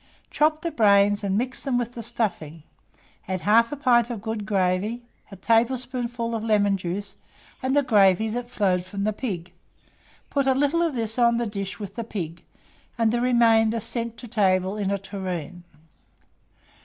Chop the brains and mix them with the stuffing; add 1/2 pint of good gravy, a tablespoonful of lemon juice, and the gravy that flowed from the pig; put a little of this on the dish with the pig, and the remainder send to table in a tureen.